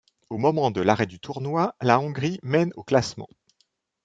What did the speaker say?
Au moment de l'arrêt du tournoi, la Hongrie mène au classement.